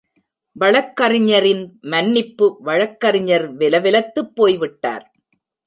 வழக்கறிஞரின் மன்னிப்பு வழக்கறிஞர் வெலவெலத்துப்போய்விட்டார்.